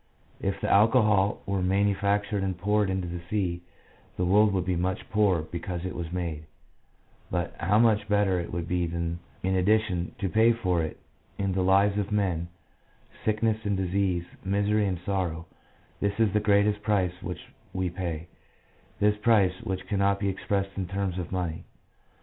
If the alcohol were manu factured and poured into the sea, the world would be much poorer because it was made; but how much better it would be than, in addition, to pay for it in the lives of men, sickness and disease, misery and Sorrow — this is the greatest price which we pay, this price which cannot be expressed in terms of money.